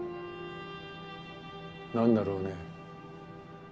何だろうね